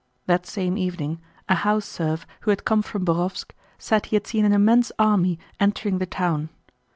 That same evening a house serf who had come from Bórovsk said he had seen an immense army entering the town.